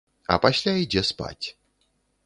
А пасля ідзе спаць.